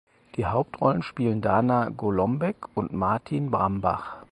Die Hauptrollen spielen Dana Golombek und Martin Brambach.